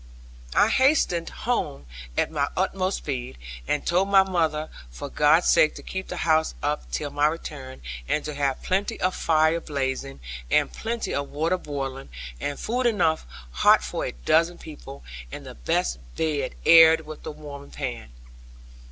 I hastened home at my utmost speed, and told my mother for God's sake to keep the house up till my return, and to have plenty of fire blazing, and plenty of water boiling, and food enough hot for a dozen people, and the best bed aired with the warming pan.